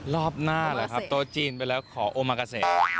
รอบหน้าเหรอครับโต๊ะจีนไปแล้วขอโอมากาเซ